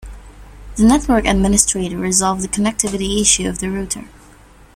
The network administrator resolved the connectivity issue of the router.